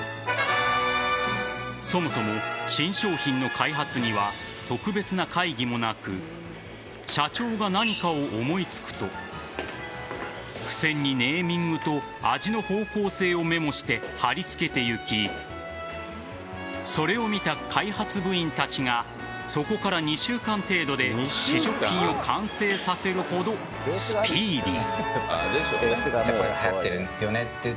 そもそも、新商品の開発には特別な会議もなく社長が何かを思いつくと付箋にネーミングと味の方向性をメモして貼り付けていきそれを見た開発部員たちがそこから２週間程度で試食品を完成させるほどスピーディー。